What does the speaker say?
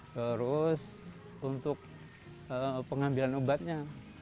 terus untuk pengambilan ubatnya